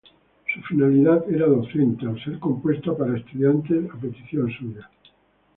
Su finalidad era docente, al ser compuesta para estudiantes a petición suya.